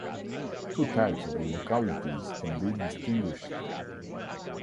Two types of localities can be distinguished.